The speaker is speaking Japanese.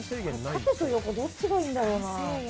縦と横どっちがいいんだろう。